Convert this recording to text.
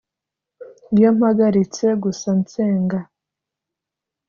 iyo mpagaritse gusa nsenga.